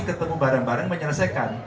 ketemu bareng bareng menyelesaikan